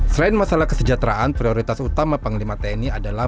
selain masalah kesejahteraan prioritas utama panglima tni adalah